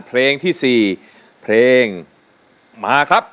เพลงที่๔เพลงมาครับ